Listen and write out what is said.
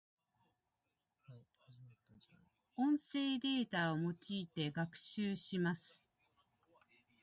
音声データを用いて学習します。